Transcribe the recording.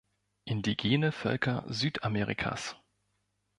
Indigene Völker Südamerikas